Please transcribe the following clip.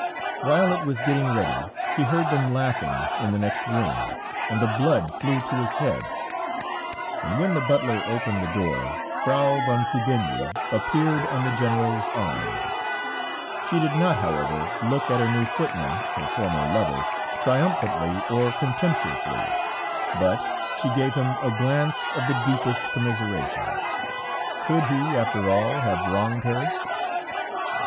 While it was getting ready, he heard them laughing in the next room, and the blood flew to his head, and when the butler opened the door Frau von Kubinyi appeared on the General's arm; she did not, however, look at her new footman, her former lover, triumphantly or contemptuously, but she gave him a glance of the deepest commiseration. Could he after all have wronged her?